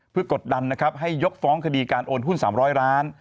เพื่อกดดันนะครับให้ยกฟ้องคดีการโอนหุ้น๓๐๐ล้าน